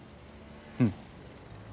うん。